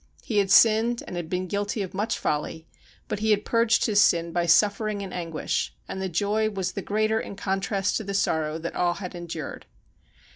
He had sinned and had been guilty of much folly, but he had purged his sin by suffering and anguish, and the joy was the greater in contrast to the sorrow that all had en dured.